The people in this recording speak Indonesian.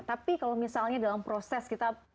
tapi kalau misalnya dalam proses kita